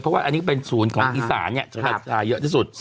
เพราะว่าอันนี้เป็นศูนย์ของอีสานกัญชาเยอะที่สุด